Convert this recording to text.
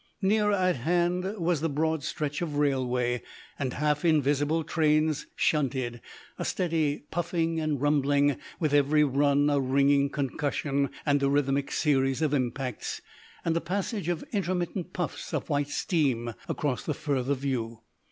Nearer at hand was the broad stretch of railway, and half invisible trains shunted a steady puffing and rumbling, with every run a ringing concussion and a rhythmic series of impacts, and a passage of intermittent puffs of white steam across the further view.